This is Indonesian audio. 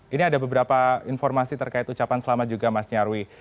ini ada beberapa informasi terkait ucapan selamat juga mas nyarwi